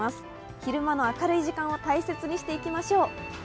昼間の明るい時間を大切にしていきましょう。